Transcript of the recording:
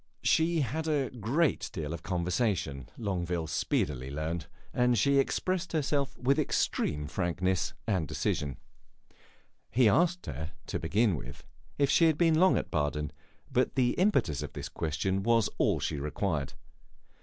She had a great deal of conversation, Longueville speedily learned, and she expressed herself with extreme frankness and decision. He asked her, to begin with, if she had been long at Baden, but the impetus of this question was all she required.